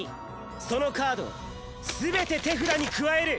そのカードをすべて手札に加える。